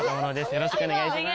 よろしくお願いします。